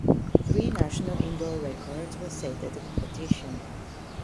Three national indoor records were set at the competition.